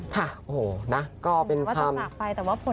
ค่ะโอ้โฮนะก็เป็นภารกิจเหมือนว่าจะหลากไป